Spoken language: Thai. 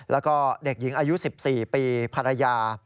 แล้วก็เด็กหญิงอายุ๑๔ปีภรรยา